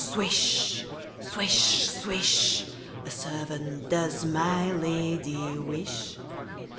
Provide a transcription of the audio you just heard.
swish! swish! swish! A servant does my lady wish?